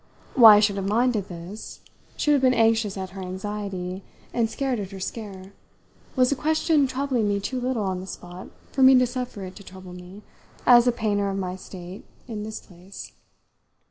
Why I should have minded this, should have been anxious at her anxiety and scared at her scare, was a question troubling me too little on the spot for me to suffer it to trouble me, as a painter of my state, in this place.